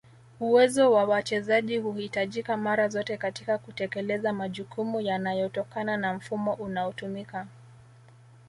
Uwezo wa wachezaji huhitajika mara zote katika kutekeleza majukumu yanayotokana na mfumo unaotumika